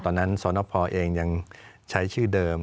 ตอนนั้นสนพเองยังใช้ชื่อเดิม